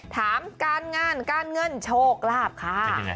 ถามการงานการเงินโชคลาภค่ะ